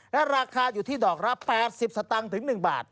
และราคาอยู่ที่ดอกละ๘๐สตางค์ถึง๑บาท